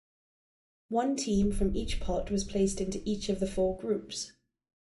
One team from each pot was placed into each of the four groups.